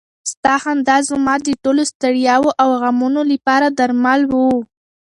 ستا خندا زما د ټولو ستړیاوو او غمونو لپاره درمل و.